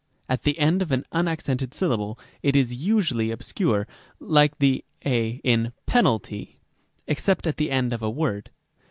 At the end of an unac cented syllable * it is usually obscure, like the a in penalty, except at the end of a word.